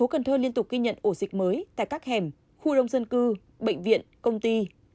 cần thơ liên tục ghi nhận ổ dịch mới tại các hẻm khu đông dân cư bệnh viện công ty